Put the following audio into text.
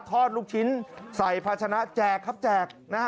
ลูกชิ้นใส่ภาชนะแจกครับแจกนะฮะ